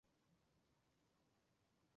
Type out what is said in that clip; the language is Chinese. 他也是罗兴亚爱国障线的副主席。